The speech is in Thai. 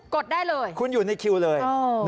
ดได้เลยคุณอยู่ในคิวเลย